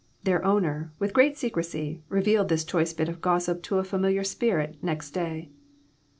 Their owner, with great secrecy, revealed this choice bit of gossip to a familiar spirit next day.